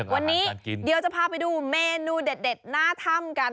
วันนี้เดี๋ยวจะพาไปดูเมนูเด็ดหน้าถ้ำกัน